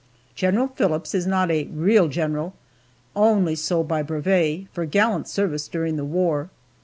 General Phillips is not a real general only so by brevet, for gallant service during the war.